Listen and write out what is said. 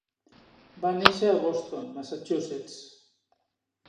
Va néixer a Boston, Massachusetts.